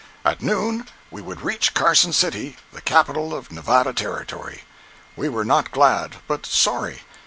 At noon we would reach Carson City, the capital of Nevada Territory. We were not glad, but sorry.